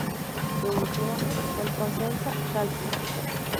Su último club fue el Cosenza Calcio.